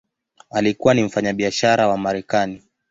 Alikuwa ni mfanyabiashara wa Marekani.